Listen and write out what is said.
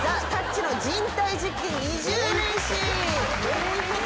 どういうこと？